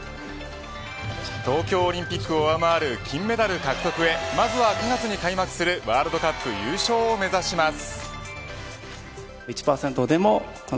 東京オリンピックを上回る金メダル獲得へまずは９月に開幕するワールドカップ優勝を目指します。